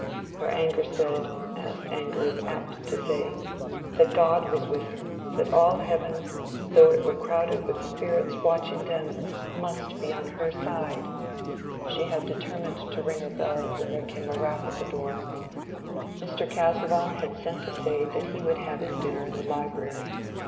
Her anger said, as anger is apt to say, that God was with her—that all heaven, though it were crowded with spirits watching them, must be on her side. She had determined to ring her bell, when there came a rap at the door. Mr. Casaubon had sent to say that he would have his dinner in the library.